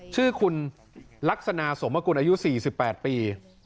ชื่อคุณลักษณะสมกุลอายุ๔๘ปี